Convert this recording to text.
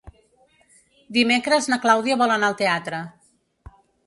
Dimecres na Clàudia vol anar al teatre.